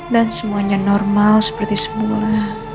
dan semuanya normal seperti semula